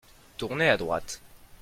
Tournez à droite.